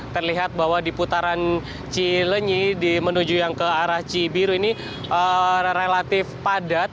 terlihat bahwa di putaran cilenyi menuju yang ke arah cibiru ini relatif padat